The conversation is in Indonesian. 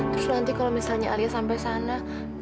terus nanti kalau misalnya alia sampai sana